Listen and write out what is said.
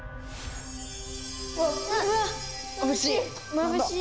まぶしい！